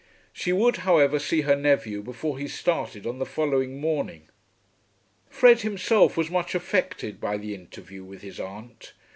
She would, however, see her nephew before he started on the following morning. Fred himself was much affected by the interview with his aunt.